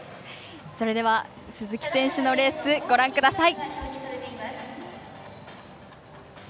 それでは鈴木選手のレースご覧ください。